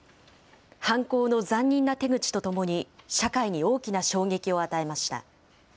犯行の残忍な手口とともに、社会に大きな衝撃を与えました。